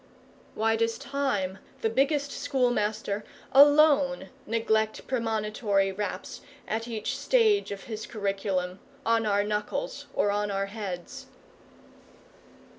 Why does Time, the biggest Schoolmaster, alone neglect premonitory raps, at each stage of his curriculum, on our knuckles or our heads?